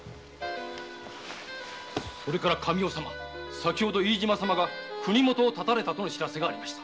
先程飯島様が国元を発ったと知らせがありました。